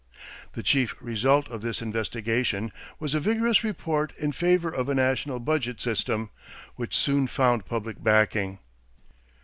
The chief result of this investigation was a vigorous report in favor of a national budget system, which soon found public backing.